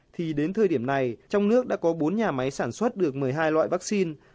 thì đến thời điểm này trong nước đã có bốn nhà máy sản xuất được một mươi hai loại vaccine